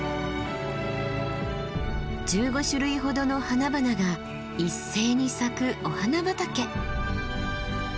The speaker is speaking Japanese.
１５種類ほどの花々が一斉に咲くお花畑。